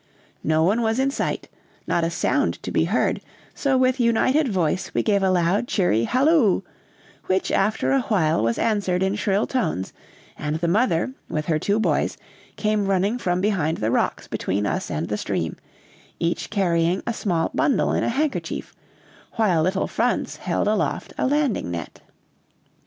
No one was in sight, not a sound to be heard, so with united voice we gave a loud cheery halloo, which after a while was answered in shrill tones, and the mother, with her two boys, came running from behind the rocks between us and the stream, each carrying a small bundle in a handkerchief, while little Franz held aloft a landing net.